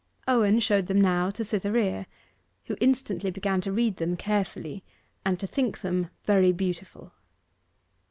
Owen showed them now to Cytherea, who instantly began to read them carefully and to think them very beautiful.